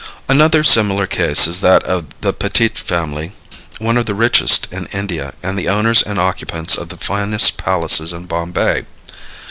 Another similar case is that of the Petit family, one of the richest in India and the owners and occupants of the finest palaces in Bombay.